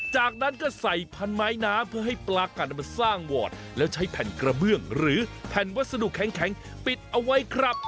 จากนั้นก็ใส่พันไม้น้ำเพื่อให้ปลากัดมาสร้างวอร์ดแล้วใช้แผ่นกระเบื้องหรือแผ่นวัสดุแข็งปิดเอาไว้ครับ